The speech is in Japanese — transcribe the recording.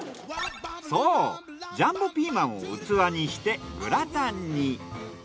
そうジャンボピーマンを器にしてグラタンに。